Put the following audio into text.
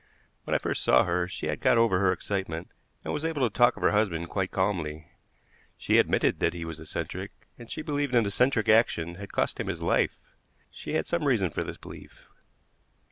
When I first saw her she had got over her excitement, and was able to talk of her husband quite calmly. She admitted that he was eccentric, and she believed an eccentric action had cost him his life. She had some reason for this belief.